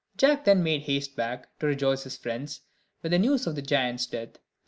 Jack then made haste back, to rejoice his friends with the news of the giant's death.